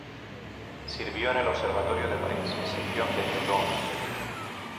Sirvió en el Observatorio de París, Sección de Meudon.